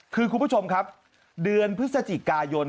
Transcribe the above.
คือคุณผู้ชมครับเดือนพฤศจิกายน